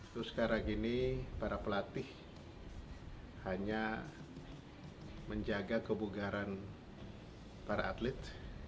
terus sekarang ini para pelatih hanya menjaga kebugaran para atlet